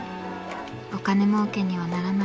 お金もうけにはならない。